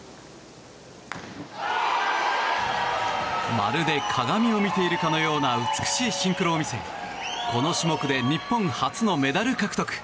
まるで鏡を見ているかのような美しいシンクロを見せこの種目で日本初のメダルを獲得！